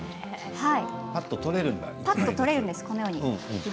ぱっと取れるんだ。